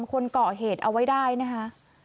คนเกาก็เอาไว้ได้นะฮะ